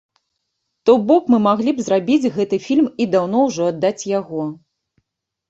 То бок мы маглі б зрабіць гэты фільм і даўно ўжо аддаць яго.